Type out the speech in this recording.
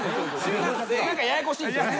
何かややこしいんですよね。